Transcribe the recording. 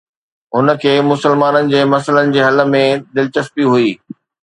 هن کي مسلمانن جي مسئلن جي حل ۾ دلچسپي هئي.